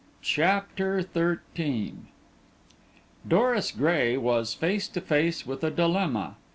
CHAPTER XIII Doris Gray was face to face with a dilemma.